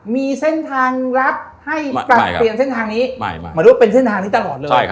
มีเส้นทางรับให้ปรับเปลี่ยนเส้นทางนี้หมายถึงว่าเป็นเส้นทางนี้ตลอดเลย